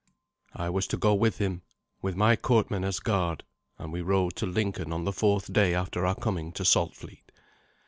I was to go with him, with my courtmen as guard; and we rode to Lincoln on the fourth day after our coming to Saltfleet.